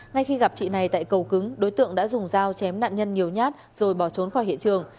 ngay khi gặp chị này tại cầu cứng đối tượng đã dùng dao chém nạn nhân nhiều nhát rồi bỏ trốn khỏi hiện trường